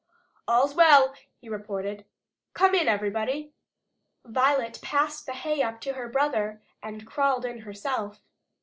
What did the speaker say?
"All's well!" he reported. "Come in, everybody!" Violet passed the hay up to her brother, and crawled in herself.